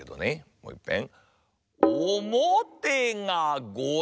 もういっぺん。